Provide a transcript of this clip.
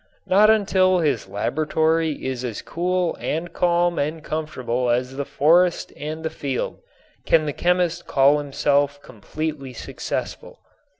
Not until his laboratory is as cool and calm and comfortable as the forest and the field can the chemist call himself completely successful.